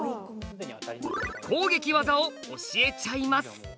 攻撃技を教えちゃいます！